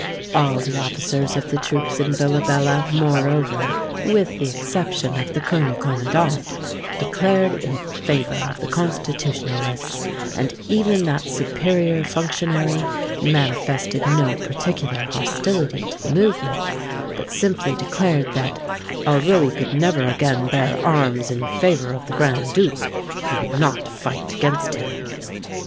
All the officers of the troops in Villabella, moreover—with the exception of the colonel commandant,—declared in favour of the Constitutionalists; and even that superior functionary manifested no particular hostility to the movement, but simply declared that "although he could never again bear arms in favour of the Grand Duke, he would not fight against him."